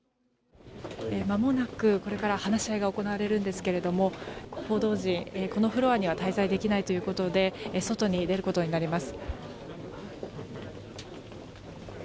これから話し合いが行われるんですが報道陣、このフロアには滞在できないということで外に出ることになります。